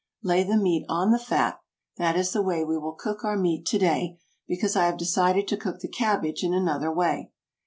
Lay the meat on the fat. That is the way we will cook our meat to day, because I have decided to cook the cabbage in another way.